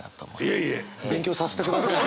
いえいえ勉強させてください。